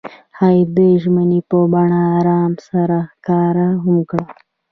هغوی د ژمنې په بڼه آرمان سره ښکاره هم کړه.